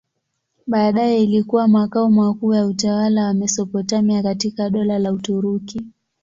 Baadaye ilikuwa makao makuu ya utawala wa Mesopotamia katika Dola la Uturuki.